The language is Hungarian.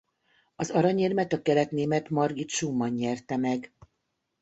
Az aranyérmet a keletnémet Margit Schumann nyerte meg.